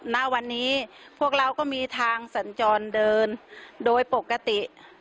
ณวันนี้พวกเราก็มีทางสัญจรเดินโดยปกติ